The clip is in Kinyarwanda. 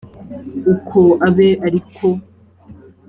uko abe ari ko